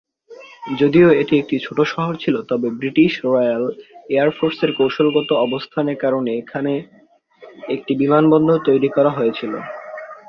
যদিও এটি একটি ছোট শহর ছিল তবে ব্রিটিশ রয়্যাল এয়ার ফোর্সের কৌশলগত অবস্থানের কারণে এখানে একটি বিমানবন্দর তৈরি করা হয়েছিল।